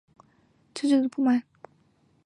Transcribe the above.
牛油危机还触发人们对政治的不满。